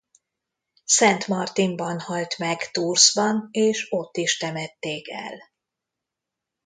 Szent Martinban halt meg Toursban és ott is temették el.